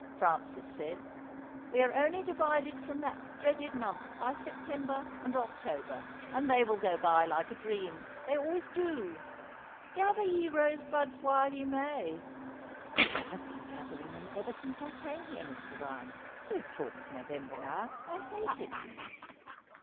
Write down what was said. Francis said. "We are only divided from that dreaded month by September and October. And they will go by like a dream; they always do. 'Gather ye rosebuds while ye may.'" "I've been gathering them ever since I came here, Mr. Ryan. Don't talk of November now; I hate it."